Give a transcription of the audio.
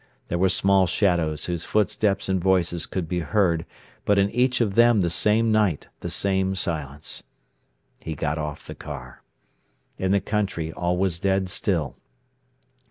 They were small shadows whose footsteps and voices could be heard, but in each of them the same night, the same silence. He got off the car. In the country all was dead still.